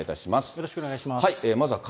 よろしくお願いします。